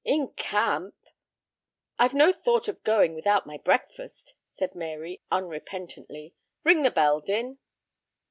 In camp " "I've no thought of going without my breakfast," said Mary unrepentantly. "Ring the bell, Din."